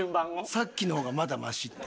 「さっきの方がまだマシ」って。